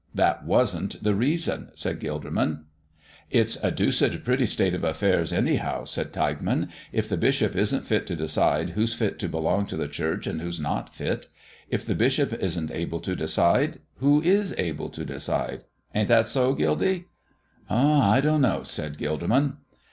"That wasn't the reason," said Gilderman. "It's a deuced pretty state of affairs, anyhow," said Tilghman, "if the bishop isn't fit to decide who's fit to belong to the Church and who's not fit. If the bishop isn't able to decide, who is able to decide? Ain't that so, Gildy?" "I don't know," said Gilderman.